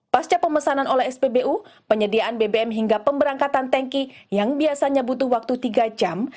pasca pemesanan oleh spbu penyediaan bbm hingga pemberangkatan tanki yang biasanya butuh waktu tiga jam